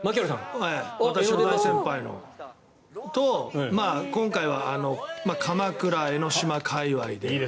私の大先輩と今回は鎌倉、江の島界隈で。